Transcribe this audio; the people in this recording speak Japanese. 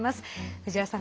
藤原さん